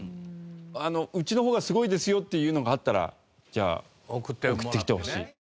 うちの方がすごいですよっていうのがあったらじゃあ送ってきてほしい。